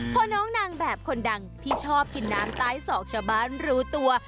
พอน้องนางแบบคนดังที่ชอบกินน้ำใต้ศอกชาวบ้านรู้ตัว